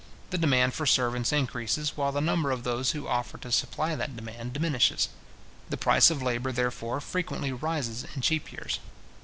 The demand for servants increases, while the number of those who offer to supply that demand diminishes. The price of labour, therefore, frequently rises in cheap years.